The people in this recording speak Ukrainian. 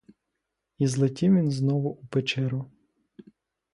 І злетів він знов у печеру.